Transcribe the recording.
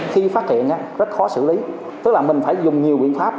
khi phát hiện rất khó xử lý tức là mình phải dùng nhiều biện pháp